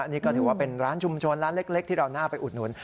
นี่ก็ถือว่าเป็นร้านชุมชนร้านเล็กที่เราน่าไปอุดหนุน